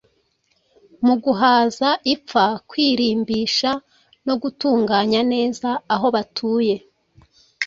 mu guhaza ipfa, kwirimbisha no gutunganya neza aho batuye.